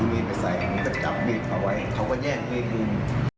มีดไปใส่แต่ก็จับบีบเอาไว้เขาก็แย่งไม่เกิน